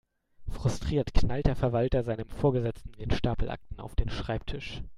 Frustriert knallt der Verwalter seinem Vorgesetzten den Stapel Akten auf den Schreibtisch.